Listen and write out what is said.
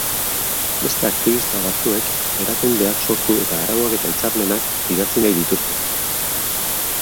Beste aktibista batzuek erakundeak sortu eta arauak eta hitzarmenak idatzi nahi dituzte.